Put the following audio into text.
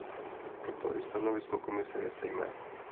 Proto i stanovisko Komise je stejné.